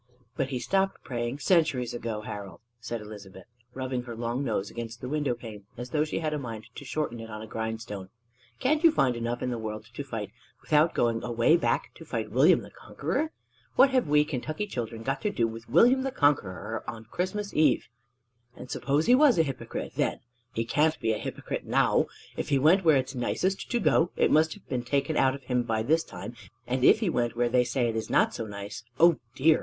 "But he stopped praying centuries ago, Harold," said Elizabeth, rubbing her long nose against the window pane as though she had a mind to shorten it on a grindstone. "Can't you find enough in the world to fight without going away back to fight William the Conqueror? What have we Kentucky children got to do with William the Conqueror on Christmas Eve! And suppose he was a hypocrite then; he can't be a hypocrite now! If he went where it's nicest to go, it must have been taken out of him by this time; and if he went where they say it is not so nice, O dear!